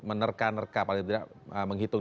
menerka nerka paling tidak menghitung